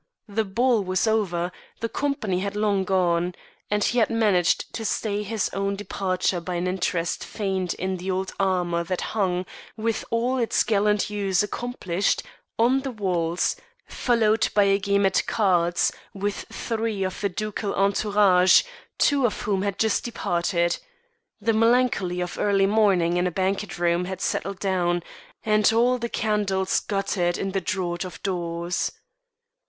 The ball was over, the company had long gone, and he had managed to stay his own departure by an interest feigned in the old armour that hung, with all its gallant use accomplished, on the walls, followed by a game at cards with three of the ducal entourage, two of whom had just departed. The melancholy of early morning in a banquet room had settled down, and all the candles guttered in the draught of doors.